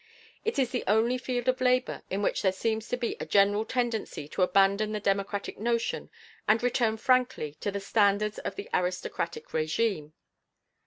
It is the only field of labor in which there seems to be a general tendency to abandon the democratic notion and return frankly to the standards of the aristocratic régime.